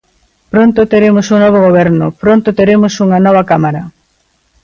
Pronto teremos un novo goberno, pronto teremos unha nova Cámara.